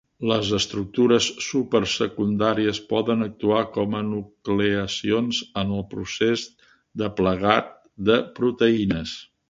Les estructures supersecundàries poden actuar com a nucleacions en el procés de plegat de proteïnes.